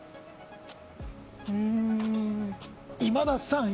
うーん今田さん